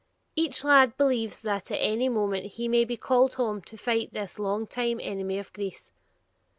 Each lad believes that at any moment he may be called home to fight this long time enemy of Greece.